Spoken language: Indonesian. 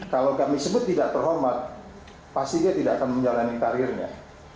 kalau kami sebut tidak terhormat pasti dia tidak akan menjalani karirnya